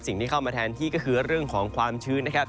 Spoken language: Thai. สิ่งที่เข้ามาแทนที่ก็คือเรื่องของความชื้นนะครับ